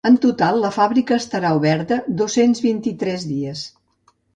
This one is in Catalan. En total, la fàbrica estarà oberta dos-cents vint-i-tres dies.